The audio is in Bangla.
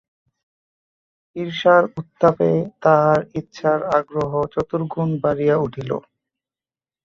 ঈর্ষার উত্তাপে তাহার ইচ্ছার আগ্রহ চতুর্গুণ বাড়িয়া উঠিল।